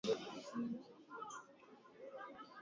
Tumia nga wa ngano